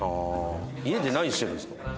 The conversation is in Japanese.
家で何してるんですか？